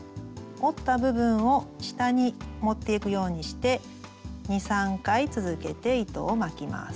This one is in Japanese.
折った部分を下に持っていくようにして２３回続けて糸を巻きます。